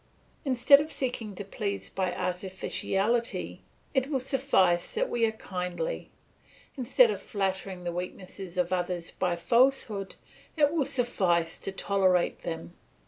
"Instead of seeking to please by artificiality, it will suffice that we are kindly; instead of flattering the weaknesses of others by falsehood, it will suffice to tolerate them.